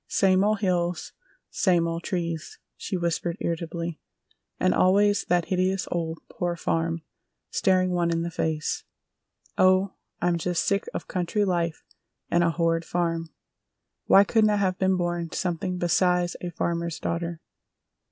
"Same old hills! Same old trees!" she whispered irritably. "And always that hideous old Poor Farm staring one in the face! Oh, I'm just sick of country life and a horrid farm! Why couldn't I have been born something besides a farmer's daughter?"